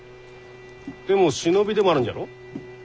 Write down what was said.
でも忍びでもあるんじゃろ？